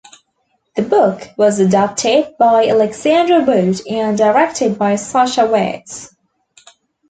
The book was adapted by Alexandra Wood and directed by Sacha Wares.